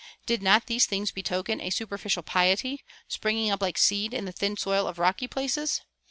Did not these things betoken a superficial piety, springing up like seed in the thin soil of rocky places?